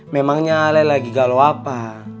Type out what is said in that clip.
memangnya ale lagi galau apa